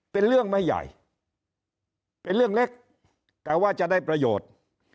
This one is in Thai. เป็นเรื่องไม่ใหญ่เป็นเรื่องเล็กแต่ว่าจะได้ประโยชน์